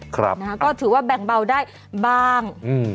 ก็ถือว่าแบ่งเบาได้บ้าง